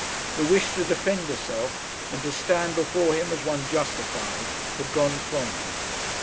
The wish to defend herself, and to stand before him as one justified, had gone from her.